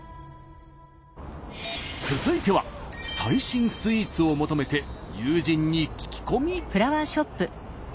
続いては最新スイーツを求めて友人に聞き込み。